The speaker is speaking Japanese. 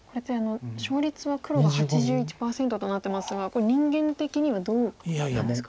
勝率は黒が８１％となってますがこれ人間的にはどうですか？